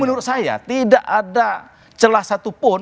menurut saya tidak ada celah satupun